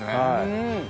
うん。